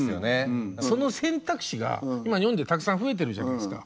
その選択肢が今日本ではたくさん増えてるじゃないですか。